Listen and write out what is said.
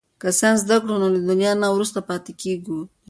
که ساینس زده کړو نو له دنیا نه وروسته پاتې کیږو.